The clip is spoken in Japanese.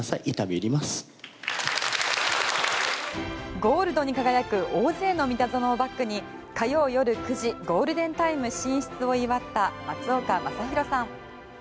ゴールドに輝く大勢の三田園をバックに火曜夜９時ゴールデンタイム進出を祝った松岡昌宏さん。